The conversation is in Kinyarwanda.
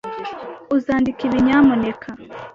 Uzandika ibi, nyamuneka?